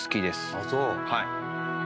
ああそう。